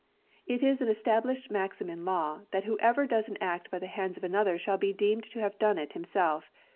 It is an Established Maxim in Law, that whoever does an act by the hands of another shall be deemed to have done it himself.